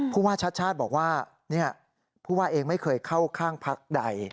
ผู้ว่าชัดบอกว่าเนี่ยผู้ว่าเองไม่เคยเข้าข้างพรรคใด